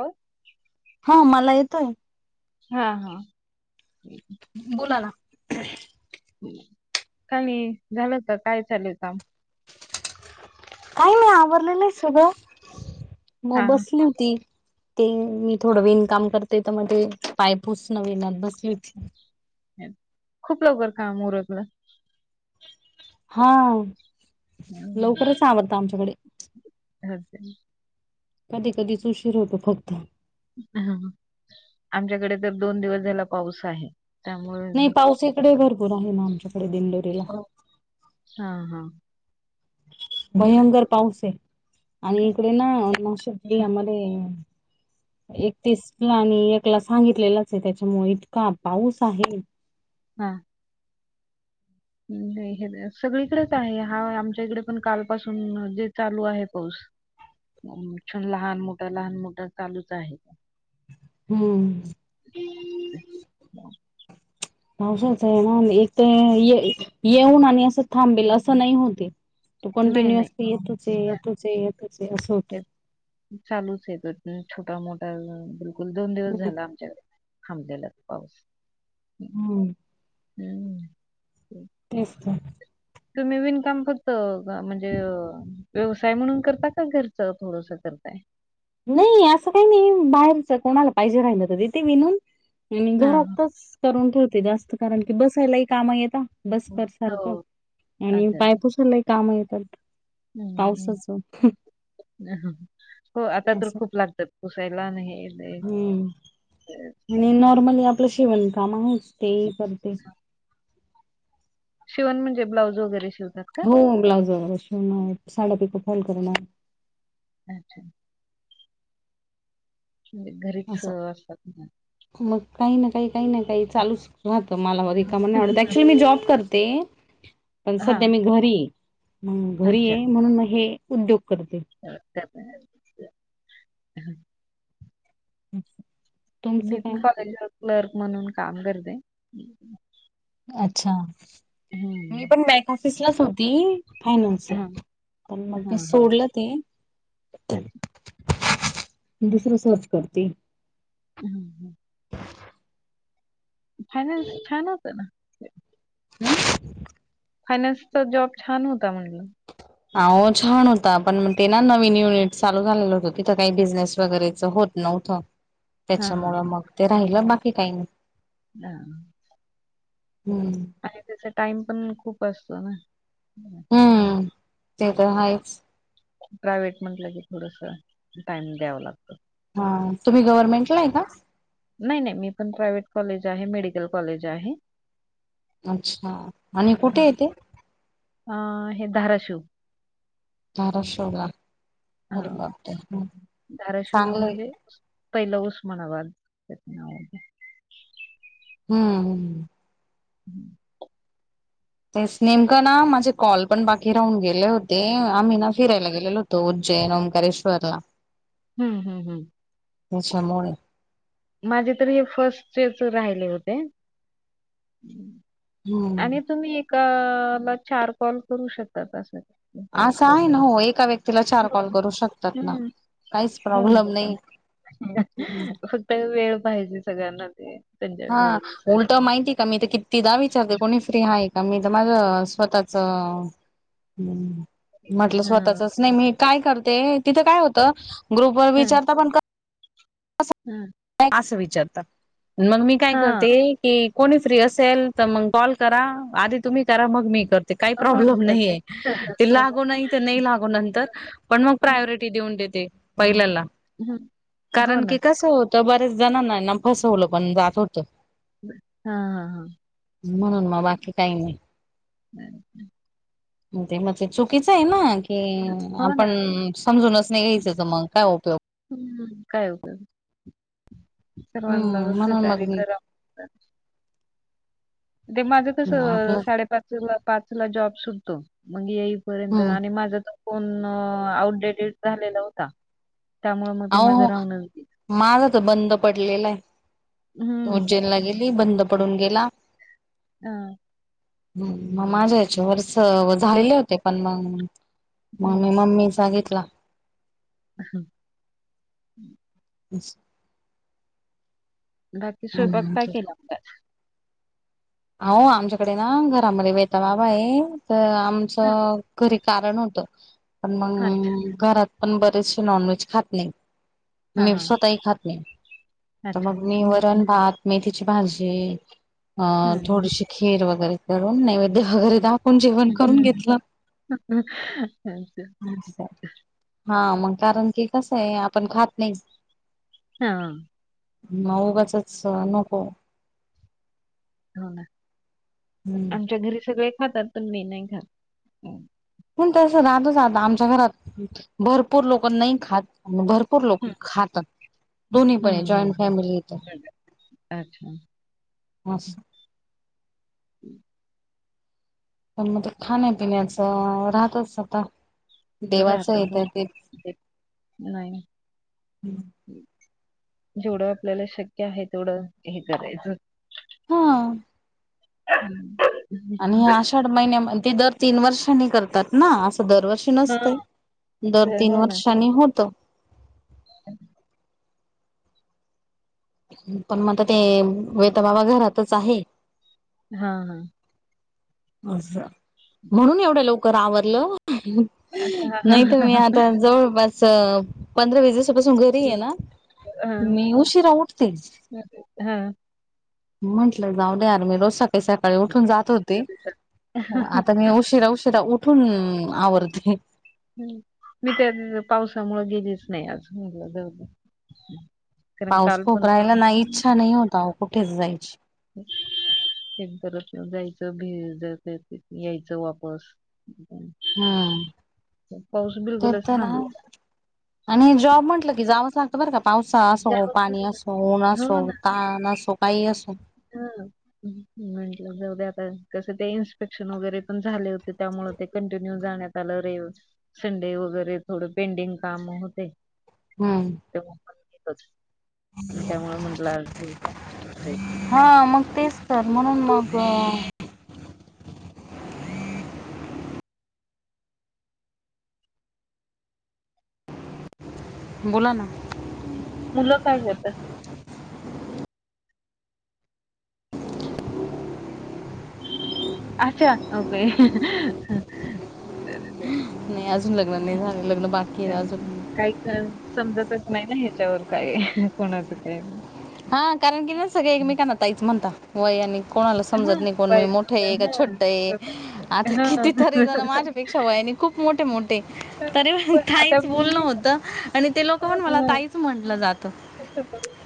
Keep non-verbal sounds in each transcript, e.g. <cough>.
हो? हा मला येतोय. हा हा. बोला ना. काय नी झालं का काय चाललं काम? काय नाही आवरलेलं आय सगळं मग हा बसली होती. ते मी थोडं विणकाम करते तर, म ते पायपूसन विणत बसली होती. हम्म, खूप लवकर काम उरकता? हां, लवकरच आवरत आमच्याकडे. हांत द्या. कधी कधीच उशीर होतो फक्त. हं हा आमच्याकडे तर दोन दिवस झाला पाऊस आहे. त्यामुळच म पूर आहे ना आमच्याकडे दिंडोरीला. हा हा. इकडे भयंकर पाऊस ए आणि इकडे ना नाशिक जिल्ह्या मध्ये एकतीस ला आणि एकला सागितले लाच ए त्याच्यामुळे पाऊस आहे. हा. हम्म, हे सगळीकडेच आहे हा आमच्या इकडे पण काल पासून जे चालू आहे पाऊस. छण लहान मोठं लहान मोठं चालूच आहे. हम्म. पावसाच येणार ए ना एक तर येईत येऊन आणि असं थांबेल असं नाय होते ए. तो नाही नाही कंटिन्युअसली येतोच ए येतोच ए येतोच ए असं होतं. हे चालूच ए तर छोटा मोठा बिलकुल दोन दिवस झाला आमच्याकडे. थांबलेलाच पाऊस. हम्म हम्म तेच तर तुम्ही विणकाम करत म्हणजे व्यवसाय म्हणून करता का घरच थोडस करताय नाही असं काही नाही बाहेरच कोणाला पाहिजे राहिलं तर तिथे विणून आणि हां. घरातच करून ठेवते जास्त कारण की बसायलाही काम येता बसकर सारखं हो. आणि अच्छा, पाय अच्छा. पुसायला एक काम येतात हं, पावसाचं ह हो आता तर असं खूप लागतात पुसायला आण हे न हम्म आणि नॉर्मली आपलं शीवण काम आहेच ते ही करते <unintelligible> शिवन म्हणजे ब्लाऊज वगैरे शिवता का हो ब्लाऊज वगैरे शिवण साड्या पिको फॉल करण <unintelligible> ते घरीच असं असतात मग काही ना काही काही ना काही चालूच राहत मला व रिकाम नाही आवडत ऍक्चुली मी जॉब करते पण सध्या हां. मी घरी मग घरी अच्छा. आहे म्हणून हे उद्योग करते <unintelligible> <unintelligible> मी पण काय कॉलेजला क्लर्क म्हणून काम करते अच्छा मी हं. पण बॅक ऑफिसलाच होती फायनान्सला हां, पण मग मी हां, हां. सोडलं ते अच्छा. दुसर सर्च करते ह फायनान्स छान होत ना <unintelligible> फायनान्सचा जॉब छान होता म्हणलं आहो छान होता पण ते ना नवीन युनिट चालू झालेलं होत तिथं काही बिझनेस वगैरेच होत नव्हतं हा हा त्याच्यामुळं हा मग ते राहिलं बाकी काही नाही हम हम आणि त्याचा टाइम पण खूप असतो ना हम ते तर आहेच प्रायव्हेट म्हटलं की थोडस टाइम द्यावं लागतो हा तुम्ही गव्हर्नमेंटला आहे का नाही, नाही मी पण प्रायव्हेट कॉलेज आहे मेडिकल कॉलेज आहे अच्छा आणि हा. कुठेय ते अ हे धाराशिव धारशिवला हा चांगलंय धाराशिवमध्ये पहिल उस्मानाबाद हम्म <unintelligible> तेच नेमकं ना माझे कॉल पण बाकी राहून गेले होते आम्ही ना फिरायला गेलेलो होतो जयराम करेश्वरला. हम्म हम् हम्. अच्छामुळे. माझे तरी हे फर्स्टच राहिले होते. हम्म आणि तुम्ही एका ला चार कॉल करू शकता अस. असं आहे ना हो एका व्यक्तीला चार हो कॉल करू शकतात ना. हम्म काहीच होऊन प्रॉब्लेम नाही. जातं. फक्त वेळ पाहिजे सगळ्यांना ते. त्यांच्या हा. वेळेनुसार. उलट माहिती मी तर कितीदा विचारते कोणी फ्री हाय का? मी तर माझं स्वतःच हम्म. म्हटलं हां, स्वतःचच नाही मी करते तिथं काय होतं ग्रुपवर विचारता पण हम्म. असं विचारतात. मग मी काय हां. करते. की कोणी फ्री असेल तर मग कॉल करा आधी तुम्ही करा मग मी करते. काही हो मी प्रॉब्लेम करते. नाहीे. हं, ते हं, हो ना. लागो नाही ते नाही लागो नंतर. पण मग प्रायोरिटी देऊन देते पहिल्याला. हम्. कारण की कसं होतं बऱ्याच जणांना ना फसवलं पण जात होतं. हा हा हा. म्हणून मग बाकी काही नाही. हं ह. ते म ते चुकीचं आहे ना. कि हो आपण ना. समजूनच नाही घ्यायच तर मग काय उपयोग. हम्. काय उपयोग? सर्वांना हम्म म्हणून मग सहकार्य मी करा ते माझं कस आपलं साडेपाच ला पाच ला जॉब सुटतो मग पर्यंत हम्म आणि माझा त फोन आउटडेटेड झालेला होता. त्यामुळे मग अ ते माझं हो. राहूनच गेलं. माझा तर बंद पडलेला आहे. हं. उज्जैनला गेली‌. बंद पडून गेला. हम. हम् मग माझ्या याचे वर्ष हं, झालेले होते पण मग. मग मी मम्मींचा घेतला. ह. बच् बाकी स्वयंपाक काय केला होता? हो आमच्याकडे ना घरामध्ये वेहता बाबा हे तर आमच हां, घरी कारण होत पण अच्छा. मग घरात पण बरेचसे नॉनव्हेज खात नाही. हां, मी हां. स्वतःही खात नाही. तर मग मी वरण भात मेथीची भाजी अ हं, हं. थोडीशी खीर वगैरे करून नैवेद्य वगैरे दा खून जेवण हं, करून हं. घेतलं. अच्छा. हा. मग कारण की कसं आहे आपण खात नाही ह. मग उगाचच नको. हो ना. हम्म. आमच्या घरी सगळे खातात पण, मी नाही खात. पण तसं राहतच आता. आमच्या घरात भरपूर लोक नाही खातं आणि भरपूर लोक खातात. दोन्ही पण हं, हं, जॉईंट हं. फॅमिली इथं. अच्छा. असं. पण मग ते खाण्यापिण्याचं राहतच आता देवाचं राहतं येत ते <unintelligible> जेवढं आपल्याला शक्य आहे, तेवढं हे करायचं हा. <inaudible> हे आषाढ महिन्यामध्ये दर तीन वर्षांनी करतात ना, अस दरवर्षी हां, नसते, दर ते तीन हो ना. वर्षानी होत. <unintelligible> पण मग आता ते <unintelligible> बाबा घरातच आहे. हा, हा. अस म्हणून एवढ्या लवकर आवरलं हां, हां, नाही ते हां. मी आता जवळपास पंधरा, वीस दिवसापासून घरी सुट्टीये ना, हां. मी उशीरा उठते हां. म्हटलं जाऊ दे यार, मी रोज सकाळी सकाळी उठून जात होते. हो आता मी उशिरा उशिरा उठून आवरते. मी त्या पावसामुळे गेलीच नाही आज, म्हटलं जाऊदे. कारण पाऊस खूप कालपण <inaudible> <inaudible> राहिला ना इच्छा नाही होत अहो कुठेच जायची. <unintelligible> जायचं, भिजायचं, तिथंन यायचं वापस <inaudible> हा. पाऊस <unintelligible> थांबलेला. आणि जॉब म्हटलं की जाव लागतं बरं का पावसाळा असो, त्यावेळेस. पाणी असो, ऊन असो, ताण असो, काहीही असो हम्म. म्हंटलं जाऊदे आता, कस ते इनस्पेक्शन वगैरे पण झाले होते, त्यामुळे ते कंटिन्यू जाण्यात त्याला रे संडे वगैरे थोड पेंडिंग काम होते हा. <unintelligible> त्यामुळे म्हटलं आज दे. हा मग तेच तर, म्हणून मग बोला ना. मुलं काय करतात? अच्छा, ओके. नाही अजून लग्न नाही झाले, लग्न बाकी आहे अजून. तर समजतच नाही ना ह्याच्यावर काये, कोणाच काही हा कारण की ना, सगळे एकमेकांना ताईच म्हणता वय आणि कोणाला हां, समजत नाही. कोणी शिकवायचं होतं. मोठय का? हां. छोटय? बरोबर. आता किती तरी हां. जण माझ्या माझ्यापेक्षा वयाने खूप खूप मोठे मोठे तर तरी पण आता ताईच बोलणं मी होतं आणि ते लोक पण मला ताईच म्हटलं जातं.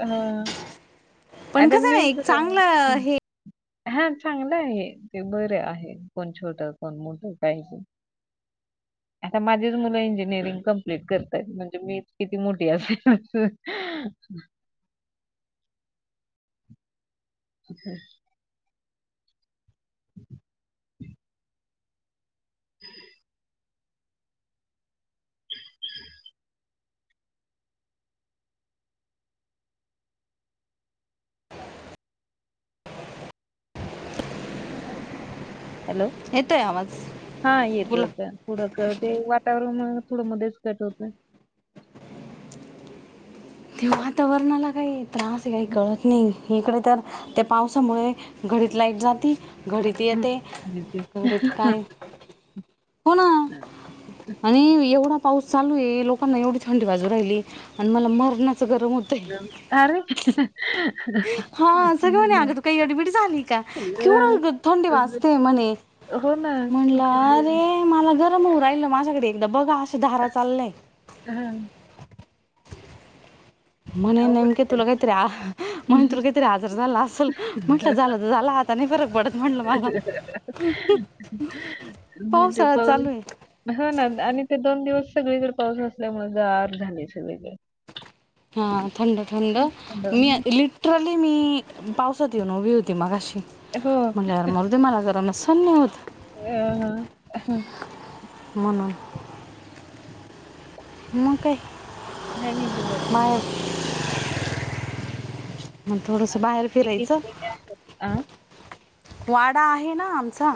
ह, पण आता कसं आहे ना मीच एक चांगलं हे हा, चांगलं आहे. ते बरे आहे, कोण छोट कोण मोठं का ह आता माझीच मुलं इंजिनिअरिंग कम्प्लीट करतय मी किती मोठी असेल. <inaudible> <inaudible> <inaudible> <inaudible> हॅलो येतोय आवाज हा येतो बोला येतोय <unintelligible> वाट त्यामुळे <unintelligible> मध्येच कट होत. ते वातावरणाला काही त्रास हं. कळत नाही इकडे तर त्या पावसामुळे घडीत लाईट जाती घडीत हं. येते घडीत हां, काय. होणा हां. आणि एवढा पाऊस चालू आहे लोकांना एवढी थंडी वाजू राहिली आणि मला मरणाचं गरम होत <unintelligible> हा सगळ म्हणे अगं तू काही येडीबिड झाली का? केवढ थंडीडे वाजते म्हणे. हो ना. म्हटलं रे मला गरम होऊ राहिल. माझ्याकडे एकदा बघा अश्या धारा चाललंय. हा म्हणे नेमक तुला काहीतरी आ म्हणे हम्म. तुला काहीतरी आजार झाला असल म्हंटलं झालं तर झाला. फरक पडत म्हणलं मला म्हणजे पावसाळा चालू पाऊस ये. हो ना आणि ते दोन दिवस सगळी कड पाऊस असल्यामुळे गार झाल सगळीकडे. हा थंड थंड मी हम्म. ली टरली मी पावसात येऊन उभी होती मगाशी. हो. म्हटलं यार मरू मला गरामचस सहन नाही होत. <inaudible> म्हणून. <inaudible> मग काय? नाही नाही बाहेर <unintelligible> मग आज थोडंसं बाहेर सुट्टी फिरायचं घेतली. आ वाडा आहे ना आमचा.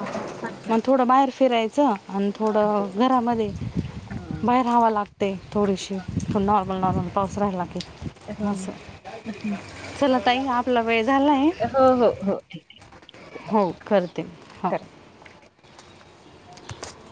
अच्छा. मग थोडं बाहेर फिरायचं आणि थोडं घरामध्ये. हां. बाहेर हवं लाग ते थोडीशी नॉर्मल नॉर्मल पाऊस राहायला की. हो ना. असं हम्म. चला ताई आपला वेळ झालाय. हो हो हो. हो करते. हो बाय. <inaudible>